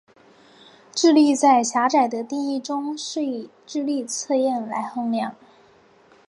智力在狭窄的定义中是以智力测验来衡量。